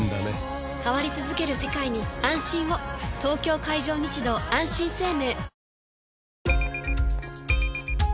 東京海上日動あんしん生命